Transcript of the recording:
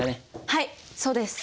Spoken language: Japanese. はいそうです。